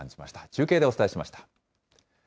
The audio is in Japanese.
中継でお伝えしました。